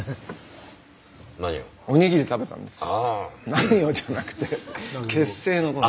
何をじゃなくて結成のこと。